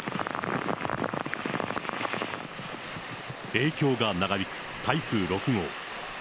影響が長引く台風６号。